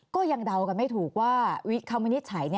ก็ยังเดากันไม่ถูกว่าวิทย์คำวินิจฉัย